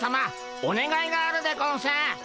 おねがいがあるでゴンス。